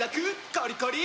コリコリ！